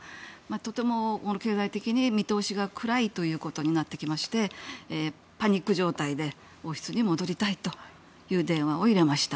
とても経済的に見通しが暗いということになってきましてパニック状態で王室に戻りたいという電話を入れました。